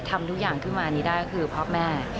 ทำทุกอย่างขึ้นมานี้ได้คือพ่อแม่